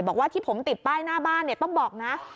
บอกว่าที่ผมติดป้ายหน้าบ้านเนี่ยต้องบอกนะ